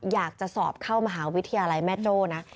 อยากจะสอบเข้ามหาวิทยาลัยแม่โจ้นะ